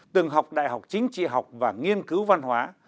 từng học đại học chính trị học và nghiên cứu văn hóa